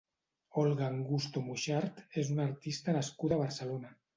Olga Angusto Muxart és una artista nascuda a Barcelona.